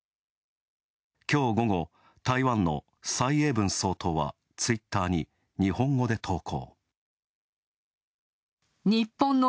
きょう午後、台湾の蔡英文総統はツイッターに日本語で投稿。